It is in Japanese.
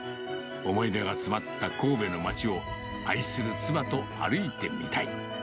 思い出が詰まった神戸の街を、愛する妻と歩いてみたい。